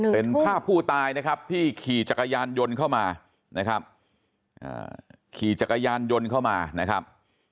เป็นภาพผู้ตายนะครับที่ขี่จักรยานยนต์เข้ามานะครับขี่จักรยานยนต์เข้ามานะครับ